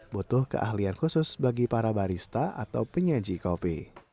butuh keahlian khusus bagi para barista atau penyaji kopi